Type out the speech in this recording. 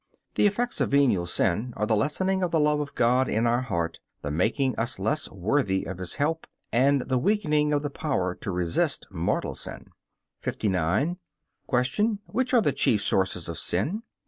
The effects of venial sin are the lessening of the love of God in our heart, the making us less worthy of His help, and the weakening of the power to resist mortal sin. 59. Q. Which are the chief sources of sin?